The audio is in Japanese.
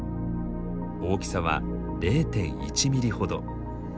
大きさは０．１ミリほど。